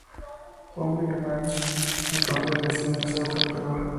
Homer y Marge, entonces, deciden hacer otra prueba.